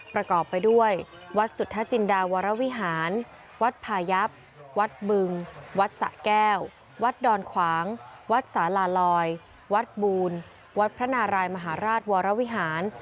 ประกอบไปด้วยวัดสุทธจินดาวรวิหารวัดพายับวัดบึงวัดสะแก้ววัดดอนขวางวัดสาลาลอยวัดบูลวัดพระนารายมหาราชวรวิหาร